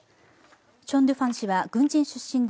チョン・ドゥファン氏は軍人出身で